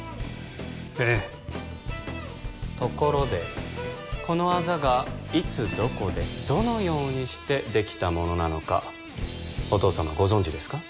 ええところでこのアザがいつどこでどのようにしてできたものなのかお父様ご存じですか？